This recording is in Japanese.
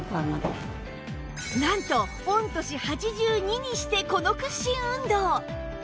なんと御年８２にしてこの屈伸運動！